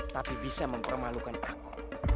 tapi bisa mempermalukan aku